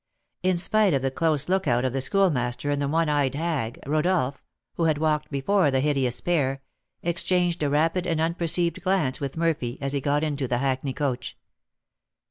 In spite of the close lookout of the Schoolmaster and the one eyed hag, Rodolph, who walked before the hideous pair, exchanged a rapid and unperceived glance with Murphy as he got into the hackney coach.